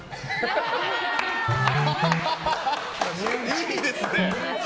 いいですね！